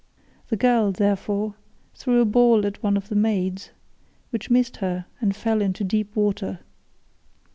The girl, therefore, threw a ball at one of the maids, which missed her and fell into deep water.